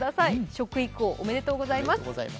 食育王、おめでとうございます。